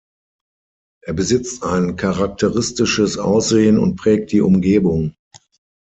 Er besitzt ein charakteristisches Aussehen und prägt die Umgebung.